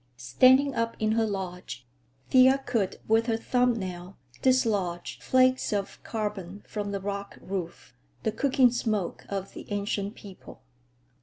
Standing up in her lodge, Thea could with her thumb nail dislodge flakes of carbon from the rock roof—the cooking smoke of the Ancient People.